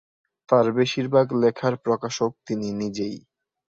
তার বেশীরভাগ লেখার প্রকাশক তিনি নিজেই।